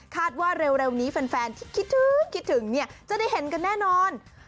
ว่าเร็วนี้แฟนที่คิดถึงคิดถึงเนี่ยจะได้เห็นกันแน่นอน